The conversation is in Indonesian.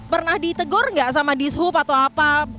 pernah ditegor enggak sama dishub atau apa